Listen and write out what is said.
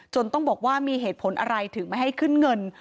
ต้องบอกว่ามีเหตุผลอะไรถึงไม่ให้ขึ้นเงิน